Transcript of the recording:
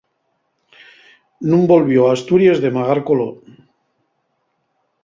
Nun volvió a Asturies de magar coló.